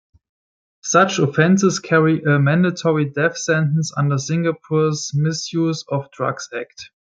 Such offenses carry a mandatory death sentence under Singapore's Misuse of Drugs Act.